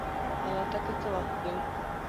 الوتکه څه وخت ځي؟